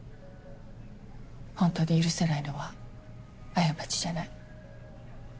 本当に許せないのは過ちじゃない。